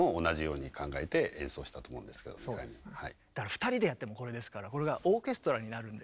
だから２人でやってもこれですからこれがオーケストラになるんで。